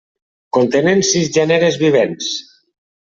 Contenen sis gèneres vivents.